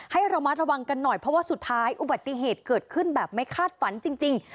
ให้ระมัดระวังกันหน่อยเพราะว่าสุดท้ายอุบัติเหตุเกิดขึ้นแบบไม่คาดฝันจริง